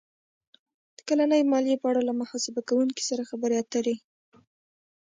-د کلنۍ مالیې په اړه له محاسبه کوونکي سره خبرې اتر ې